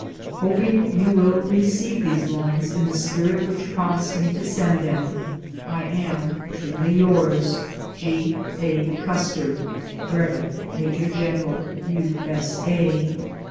" Hoping you will receive these lines in the spirit which prompts me to send them, I am truly yours, " G. A. Custer, Brevet Major General U. S. A."